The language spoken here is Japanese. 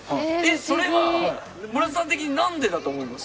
それは村田さん的になんでだと思います？